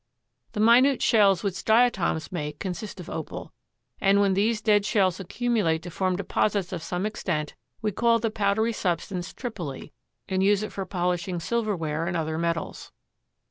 The minute shells which diatoms make consist of Opal, and when these dead shells accumulate to form deposits of some extent we call the powdery substance tripoli and use it for polishing silverware and other metals.